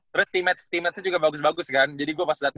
terus tim matt itu juga bagus bagus kan jadi gue pas datang